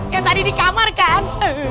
yang tadi di kamar kan